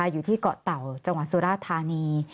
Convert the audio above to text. อยู่ที่เกาะเต่าจังหวัดสุราธานี